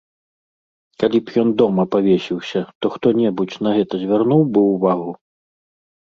Калі б ён дома павесіўся, то хто-небудзь на гэта звярнуў бы ўвагу?